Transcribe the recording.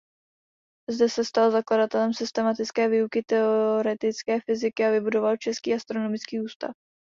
Zde se stal zakladatelem systematické výuky teoretické fyziky a vybudoval český astronomický ústav.